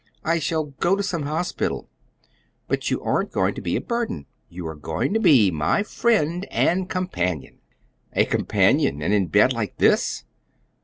I shall go to some hospital." "But you aren't going to be a burden. You are going to be my friend and companion." "A companion and in bed like this?"